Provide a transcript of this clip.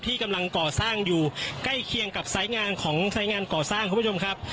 กำลังก่อสร้างอยู่ใกล้เคียงกับสายงานของสายงานก่อสร้างคุณผู้ชมครับ